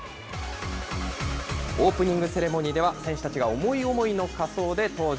オープニングセレモニーでは、選手たちが思い思いの仮装で登場。